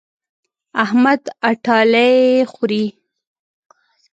احمد اټالۍ خوري.